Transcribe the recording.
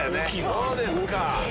どうですか！